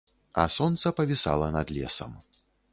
А сонца павісала над лесам.